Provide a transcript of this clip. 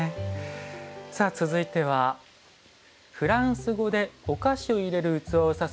さあ続いてはフランス語でお菓子を入れる器を指すボンボニエール。